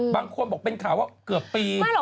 บางคนบอกเป็นข่าวว่าเกือบปี